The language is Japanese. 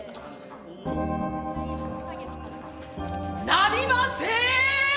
なりません！！